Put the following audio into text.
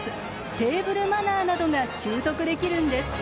テーブルマナーなどが習得できるんです。